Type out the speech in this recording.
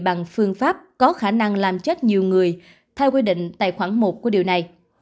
bằng phương pháp có khả năng làm chết nhiều người theo quy định tài khoản một của điều này